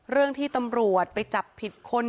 เรื่องที่ตำรวจไปจับผิดคน